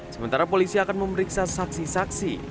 sementara polisi akan memeriksa saksi saksi